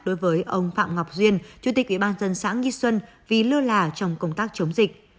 đối với ông phạm ngọc duyên chủ tịch ủy ban dân xã nghi xuân vì lơ là trong công tác chống dịch